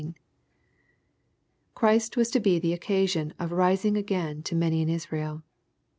Christ was to be the occasion of '^ rising again to many in Israel."